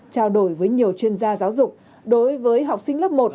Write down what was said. trao đổi với nhiều chuyên gia giáo dục đối với học sinh lớp một